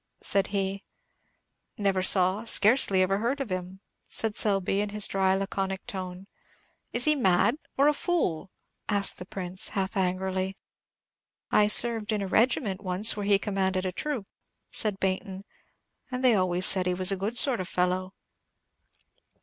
said he. "Never saw, scarcely ever heard of him," said Selby, in his dry, laconic tone. "Is he mad, or a fool?" asked the Prince, half angrily. "I served in a regiment once where he commanded a troop," said Baynton; "and they always said he was a good sort of fellow."